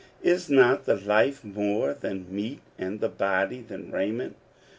Is xiot the life more than meat, and the body than raiment?